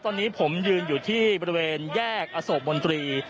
ตอนนี้ผมยืนอยู่ที่บริเวณแยกอโศกมนตรี